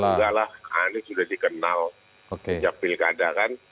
enggak lah anies sudah dikenal sejak pilkada kan